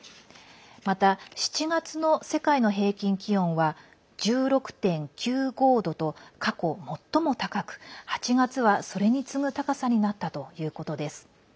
また７月の世界の平均気温は１６．９５度と過去最も高く８月は、それに次ぐ高さになったということです。